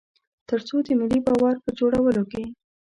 تر څو د ملي باور په جوړولو کې.